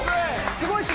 すごい！